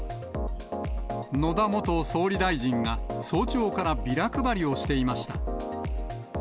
野田元総理大臣が早朝からビラ配りをしていました。